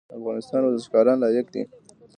د افغانستان ورزشکاران لایق دي